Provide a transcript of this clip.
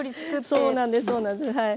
そうなんですそうなんですはい。